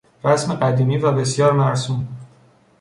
رسم قدیمی و بسیار مرسوم